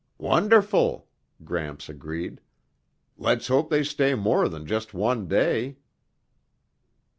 "Wonderful!" Gramps agreed. "Let's hope they stay more than just one day!"